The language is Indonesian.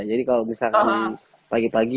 jadi kalau misalkan pagi pagi